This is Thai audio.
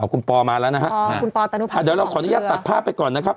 คุณปอมาแล้วนะฮะคุณปอตนุภาพเดี๋ยวเราขออนุญาตตัดภาพไปก่อนนะครับ